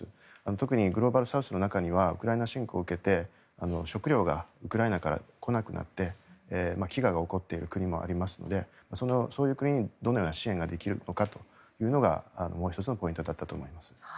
特にグローバルサウスの中にはウクライナ侵攻を受けて食料がウクライナから来なくなって飢餓が起こっている国もありますのでそういう国にどういう支援ができるのかというのがもう１つのポイントだったと思います。